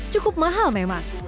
cukup mahal memang